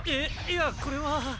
いやこれは。